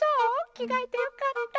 きがえてよかった。